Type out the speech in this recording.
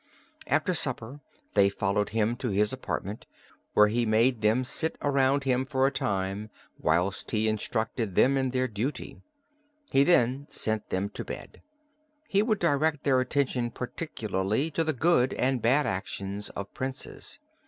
After supper they followed him to his apartment, where he made them sit around him for a time whilst he instructed them in their duty; he then sent them to bed. He would direct their attention particularly to the good and bad actions of Princes.